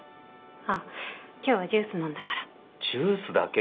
あっ今日はジュース飲んだからジュースだけ？